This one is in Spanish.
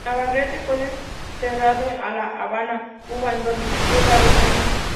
Navarrete fue desterrado a La Habana, Cuba en donde vivió varios años.